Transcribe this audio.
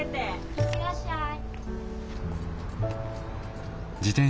・行ってらっしゃい。